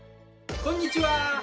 こんにちは。